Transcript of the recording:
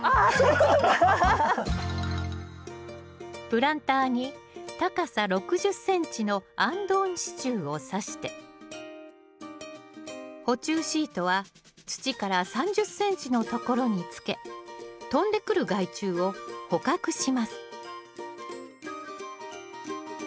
プランターに高さ６０ｃｍのあんどん支柱をさして捕虫シートは土から３０ｃｍのところにつけ飛んでくる害虫を捕獲します